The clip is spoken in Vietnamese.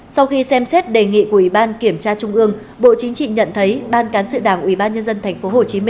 sau khi xem xét đề nghị của ubnd tp hcm bộ chính trị nhận thấy ban cán sự đảng ubnd tp hcm